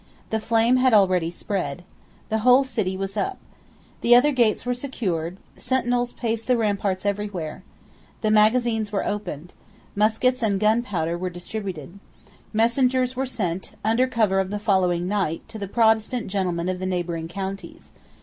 The flame had already spread. The whole city was up. The other gates were secured. Sentinels paced the ramparts everywhere. The magazines were opened. Muskets and gunpowder were distributed. Messengers were sent, under cover of the following night, to the Protestant gentlemen of the neighbouring counties.